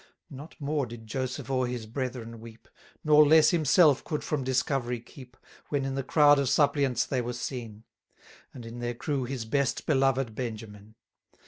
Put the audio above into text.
Not more did Joseph o'er his brethren weep, Nor less himself could from discovery keep, When in the crowd of suppliants they were seen, And in their crew his best loved Benjamin.